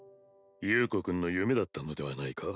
優子君の夢だったのではないか？